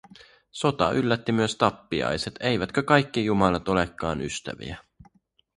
Sota yllätti myös tappiaiset - eivätkö kaikki jumalat olekaan ystäviä?